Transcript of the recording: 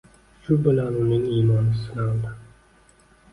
Shu bilan uning iymoni sinaldi